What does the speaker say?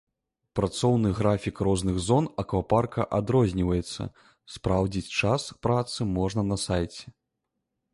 Працоўны графік розных зон аквапарка адрозніваецца, спраўдзіць час працы можна на сайце.